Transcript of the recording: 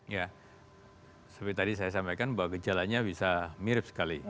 ya seperti tadi saya sampaikan bahwa gejalanya bisa mirip sekali